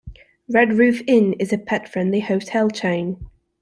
Red Roof Inn is a pet-friendly hotel chain.